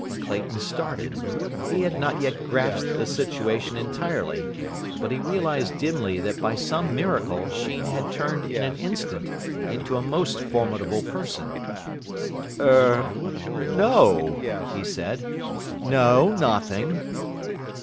Clayton started. He had not yet grasped the situation entirely; but he realised dimly that by some miracle Sheen had turned in an instant into a most formidable person. "Er no," he said. "No, nothing."